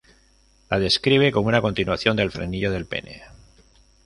La describe como una continuación del frenillo del pene.